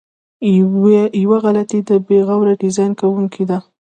یوه غلطي د بې غوره ډیزاین کوونکو ده.